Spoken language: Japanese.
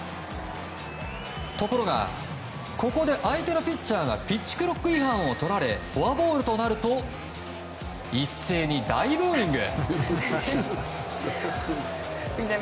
ところが、ここで相手のピッチャーがピッチクロック違反をとられフォアボールとなると一斉に大ブーイング。